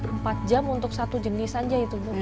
empat jam untuk satu jenis saja itu bu